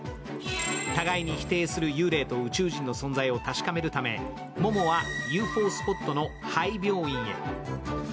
互いに否定する幽霊と宇宙人の存在を確かめるため桃はＵＦＯスポットの廃病院へ。